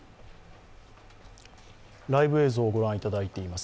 ライブ映像を御覧いただいてます。